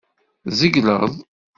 Tzegled.